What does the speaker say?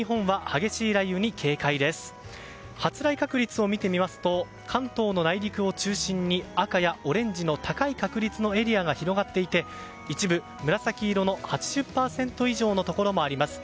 発雷確率を見てみますと関東の内陸を中心に赤やオレンジの高い確率のエリアが広がっていて一部、紫色の８０％以上のところもあります。